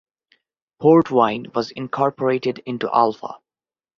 Port Wine was incorporated into Alpha.